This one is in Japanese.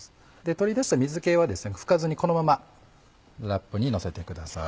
取り出した水気は拭かずにこのままラップにのせてください